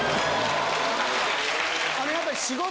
やっぱり。